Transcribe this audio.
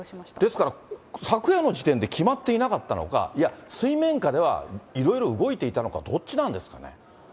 ですから、昨夜の時点で決まっていなかったのか、いや、水面下では、いろいろ動いていたのか、どっちなんですかね。